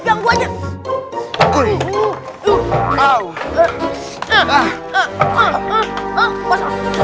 apaan ini gangguannya